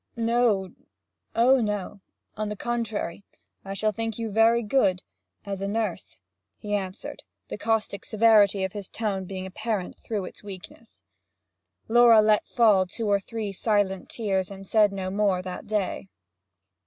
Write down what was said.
'Oh no. On the contrary, I shall think you very good as a nurse,' he answered, the caustic severity of his tone being apparent through its weakness. Laura let fall two or three silent tears, and said no more that day.